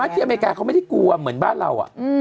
ที่อเมริกาเขาไม่ได้กลัวเหมือนบ้านเรา